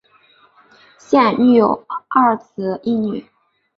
现育有二子一女。